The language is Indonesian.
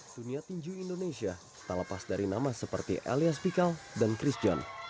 dunia tinju indonesia tak lepas dari nama seperti elias pikal dan chris john